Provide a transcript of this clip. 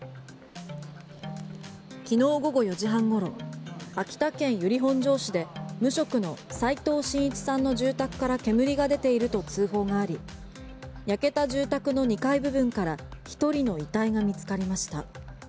昨日午後４時半ごろ秋田県由利本荘市で無職の齋藤真一さんの住宅から煙が出ていると通報があり焼けた住宅の２階部分から１人の遺体が見つかりました。